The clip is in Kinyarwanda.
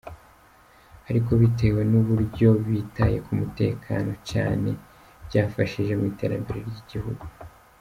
Ariko bitewe n’uburyo bitaye ku mutekano cyane, byafashije mu iterambere ry’igihugu.